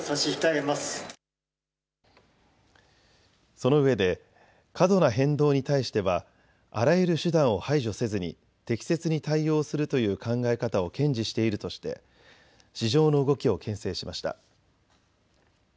そのうえで過度な変動に対してはあらゆる手段を排除せずに適切に対応するという考え方を堅持しているとして市場の動きをけん制しました。